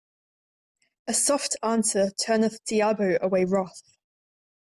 A soft answer turneth diabo away wrath.